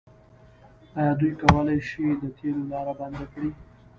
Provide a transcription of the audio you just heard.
آیا دوی کولی شي د تیلو لاره بنده کړي؟